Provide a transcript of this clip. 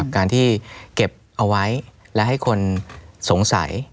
การที่เก็บเอาไว้และให้คนสงสัย